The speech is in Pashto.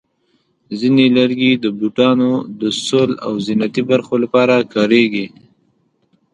ځینې لرګي د بوټانو د سول او زینتي برخو لپاره کارېږي.